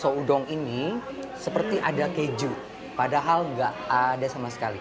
miso udon ini seperti ada keju padahal enggak ada sama sekali